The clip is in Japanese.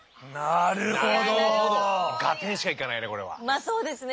まあそうですね。